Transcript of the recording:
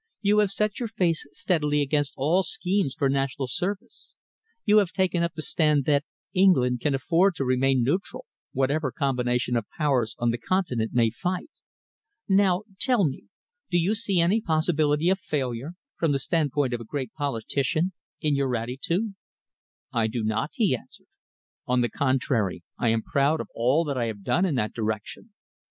You have set your face steadily against all schemes for national service. You have taken up the stand that England can afford to remain neutral, whatever combination of Powers on the Continent may fight. Now tell me, do you see any possibility of failure, from the standpoint of a great politician, in your attitude?" "I do not," he answered. "On the contrary, I am proud of all that I have done in that direction.